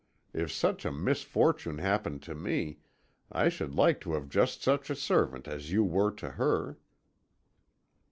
If such a misfortune happened to me, I should like to have just such a servant as you were to her."